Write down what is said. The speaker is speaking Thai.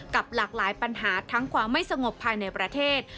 หลากหลายปัญหาทั้งความไม่สงบภายในประเทศ